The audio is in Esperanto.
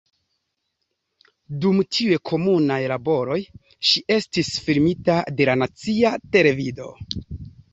Dum tiuj komunaj laboroj ŝi estis filmita de la nacia televido.